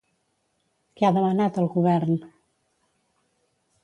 Què ha demanat al govern?